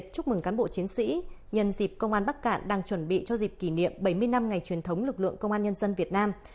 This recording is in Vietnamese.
chúc mừng cán bộ chiến sĩ nhân dịp công an bắc cạn đang chuẩn bị cho dịp kỷ niệm bảy mươi năm ngày truyền thống lực lượng công an nhân dân việt nam